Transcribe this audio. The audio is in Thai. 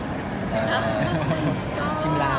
ก็จะกดซึ้งชิมลา